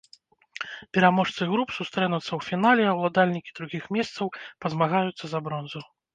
Пераможцы груп сустрэнуцца ў фінале, а ўладальнікі другіх месцаў пазмагаюцца за бронзу.